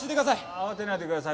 慌てないでください。